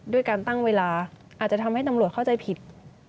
ด้วยการตั้งเวลาอาจจะทำให้ตำรวจเข้าใจผิด